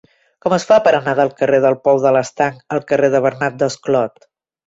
Com es fa per anar del carrer del Pou de l'Estanc al carrer de Bernat Desclot?